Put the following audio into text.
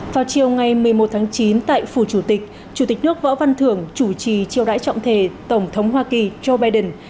vào chiều ngày một mươi một tháng chín tại phủ chủ tịch chủ tịch nước võ văn thưởng chủ trì triều đải trọng thể tổng thống hoa kỳ joe biden